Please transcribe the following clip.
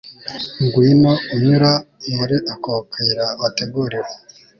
Ngwino unyura muri ako kayira wateguriwe